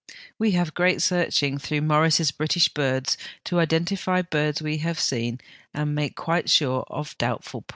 ' We have great searching through Morris's British Birds l to identify birds we have seen and to make quite sure of doubtful points.